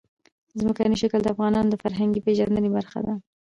ځمکنی شکل د افغانانو د فرهنګي پیژندنې برخه ده.